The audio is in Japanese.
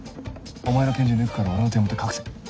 お前の拳銃抜くから俺の手元隠せ。